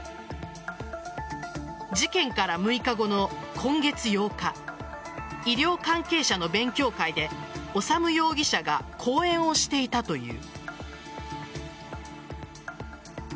事件から６日後の今月８日医療関係者の勉強会で修容疑者が講演をしていたという。